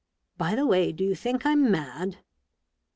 — By the way, do you think Vm mad